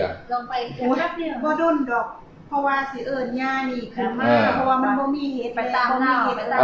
อ๋อถ้าเกิดก็ด้วยก็เพราะว่าเสียเอิญย่านี่คือมากเพราะว่ามันไม่มีเหตุไปตามเรา